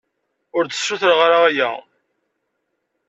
Ur d-ssutreɣ ara aya.